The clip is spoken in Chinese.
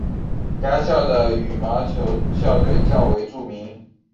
该校的羽毛球校队较为著名。